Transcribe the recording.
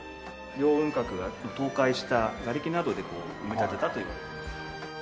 凌雲閣が倒壊したがれきなどで埋め立てたという。